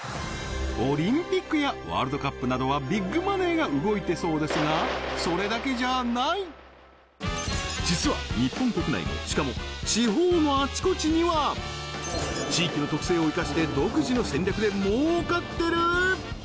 オリンピックやワールドカップなどはビッグマネーが動いてそうですが実は日本国内のしかも地方のあちこちには地域の特性を生かして独自の戦略で儲かってる！